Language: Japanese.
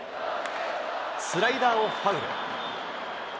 スライダーをファウル。